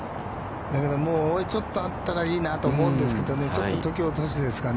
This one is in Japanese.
だからもう、もうちょっとあったらいいと思うんですけれども、ちょっと時遅しですかね。